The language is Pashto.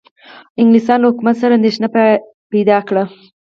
انګلستان له حکومت سره اندېښنه پیدا کړه.